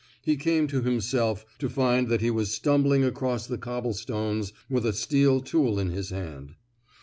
He came to himself to find that he was stumbling across the cobblestones with a steel tool in his hand.